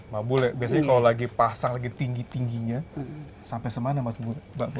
mak bule biasanya kalau lagi pasang lagi tinggi tingginya sampai semana mas